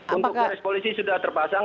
untuk garis polisi sudah terpasang